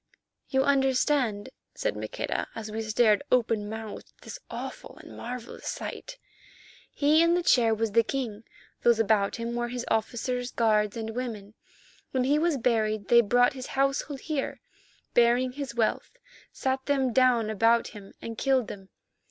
"You understand," said Maqueda, as we stared, open mouthed at this awful and marvellous sight, "he in the chair was the king. Those about him were his officers, guards, and women. When he was buried they brought his household here, bearing his wealth, sat them down about him, and killed them.